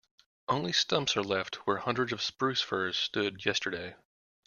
Only stumps are left where hundreds of spruce firs stood yesterday.